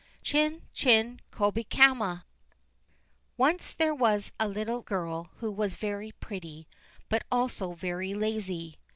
Chin Chin Kobakama Once there was a little girl who was very pretty, but also very lazy.